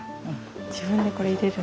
自分でこれ入れる。